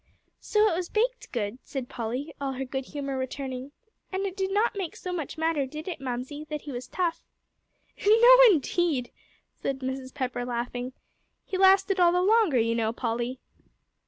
"So it was baked good," said Polly, all her good humor returning. "And it did not make so much matter, did it, Mamsie, that he was tough?" "No, indeed," said Mrs. Pepper, laughing; "he lasted all the longer, you know, Polly."